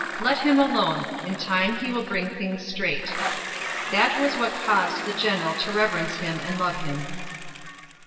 Let him alone; in time he will bring things straight." That was what caused the general to reverence him and love him.